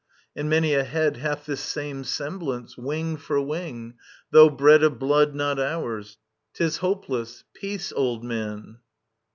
•.. And many a head Hath this same semblance, wing for wing, tho' bred Of blood not ours. ... *Tis hopeless. Peace, old man.